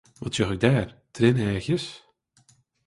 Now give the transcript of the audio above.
Wat sjoch ik dêr, trieneachjes?